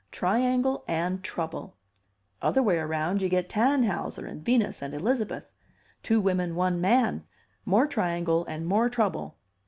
Triangle and trouble. Other way around you get Tannhauser and Venus and Elizabeth; two women, one man; more triangle and more trouble.